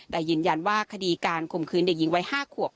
แต่ยืนยันว่าคดีการข่มขืนเด็กหญิงวัย๕ขวบ